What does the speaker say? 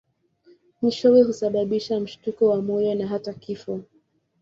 Mwishowe husababisha mshtuko wa moyo na hata kifo.